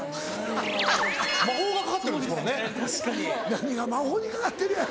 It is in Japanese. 何が「魔法にかかってる」やアホ。